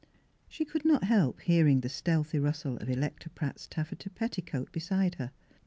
She could not help hearing the stealthy rustle of Electa Pratt's taffeta petticoat beside her.